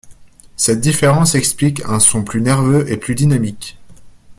Cette différence explique un son plus nerveux et plus dynamique.